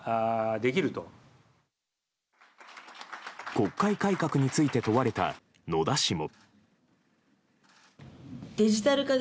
国会改革について問われた野田氏も。